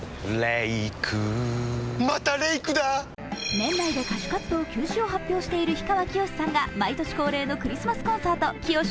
年内で歌手活動休止を発表している氷川きよしさんが毎年恒例のクリスマスコンサート「きよし